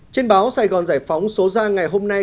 trên báo sài gòn giải phóng số ra ngày hôm nay